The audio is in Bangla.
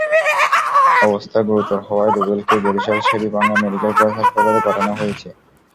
অবস্থা গুরুতর হওয়ায় রুবেলকে বরিশাল শের-ই-বাংলা মেডিকেল কলেজ হাসপাতালে পাঠানো হয়েছে।